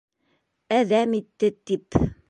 Әҙәм итте тип...